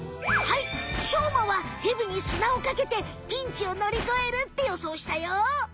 はいしょうまはヘビに砂をかけてピンチをのりこえるって予想したよ。